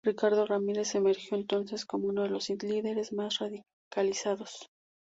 Ricardo Ramírez emergió entonces como uno de los líderes más radicalizados.